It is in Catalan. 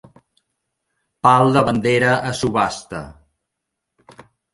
Pal de bandera a subhasta.